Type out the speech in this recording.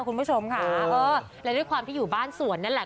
คุณผู้ชมค่ะเออและด้วยความที่อยู่บ้านสวนนั่นแหละ